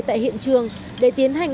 tại hiện trường để tiến hành